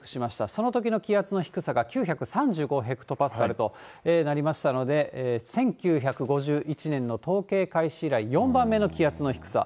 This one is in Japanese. そのときの気圧の低さが９３５ヘクトパスカルとなりましたので、１９５１年の統計開始以来、４番目の気圧の低さ。